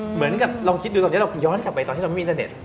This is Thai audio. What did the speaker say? เหมือนกับลองคิดดูตอนนี้เราย้อนกลับไปตอนที่เราไม่มีอินเตอร์เน็ต